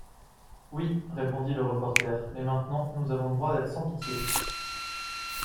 Oui, répondit le reporter, mais maintenant nous avons le droit d’être sans pitié!